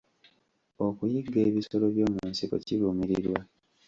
Okuyigga ebisolo by'omu nsiko kivumirirwa.